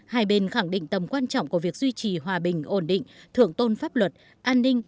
hai bên khẳng định tầm quan trọng của việc duy trì hòa bình ổn định thượng tôn pháp luật an ninh